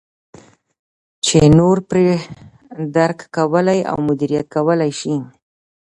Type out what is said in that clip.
چې نور پرې درک کولای او مدیریت کولای شي.